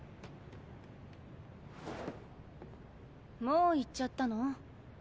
もう行っちゃったの？